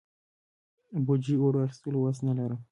بوجۍ اوړو اخستلو وس نه لرم.